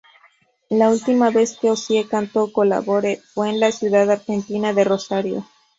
La última vez que "Ossie" cantó "Colabore" fue en la ciudad argentina de Rosario.